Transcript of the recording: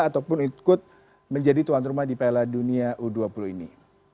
ataupun ikut menjadi tuan rumah di piala dunia u dua puluh ini